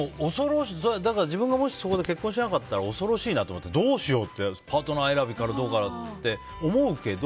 だから、自分がもしそれで結婚しなかったら恐ろしいなと思ってどうしようってパートナー選びから何からって思うけど。